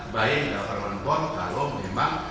buying in government form kalau memang